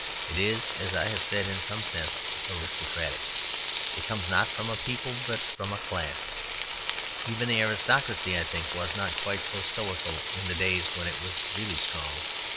It is, as I have said, in some sense aristocratic; it comes not from a people, but from a class. Even aristocracy, I think, was not quite so stoical in the days when it was really strong.